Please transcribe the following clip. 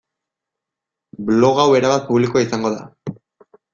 Blog hau erabat publikoa izango da.